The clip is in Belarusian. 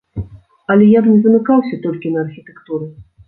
Але я б не замыкаўся толькі на архітэктуры.